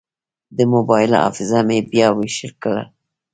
د موبایل حافظه مې بیا ویش کړه.